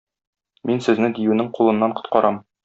Мин сезне диюнең кулыннан коткарам.